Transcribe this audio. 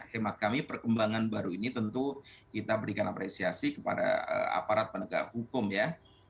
hemat kami perkembangan baru ini tentu kita berikan apresiasi kepada aparat penegak hukum ya